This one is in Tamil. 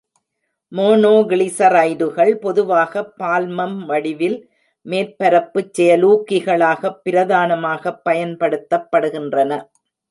மோனோகிளிசரைடுகள் பொதுவாகப் பால்மம் வடிவில் மேற்பரப்புச் செயலூக்கிகளாகப் பிரதானமாகப் பயன்படுத்தப்படுகின்றன.